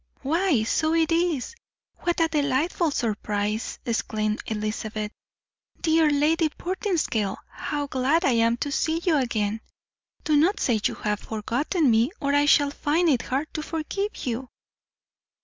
"Why, so it is; what a delightful surprise!" exclaimed Elizabeth. "Dear Lady Portinscale, how glad I am to see you again! Do not say you have forgotten me, or I shall find it hard to forgive you!"